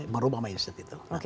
merubah mindset itu